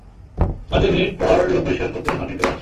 আমি দুই মিনিট পর রুম পরিষ্কার করতে মার্টিনকে পাঠাচ্ছি।